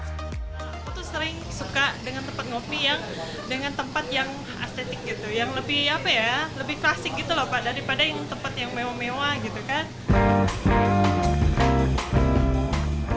aku tuh sering suka dengan tempat ngopi yang dengan tempat yang estetik gitu yang lebih apa ya lebih klasik gitu loh pak daripada yang tempat yang mewah mewah gitu kan